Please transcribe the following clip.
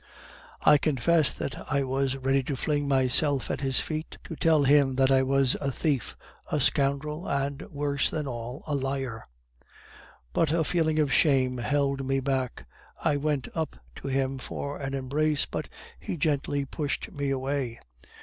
"I confess that I was ready to fling myself at his feet, to tell him that I was a thief, a scoundrel, and, worse than all, a liar! But a feeling of shame held me back. I went up to him for an embrace, but he gently pushed me away.